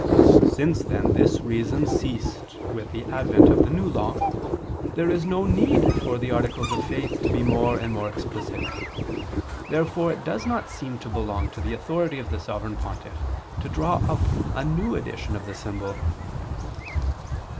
Since then this reason ceased with the advent of the New Law, there is no need for the articles of faith to be more and more explicit. Therefore it does not seem to belong to the authority of the Sovereign Pontiff to draw up a new edition of the symbol.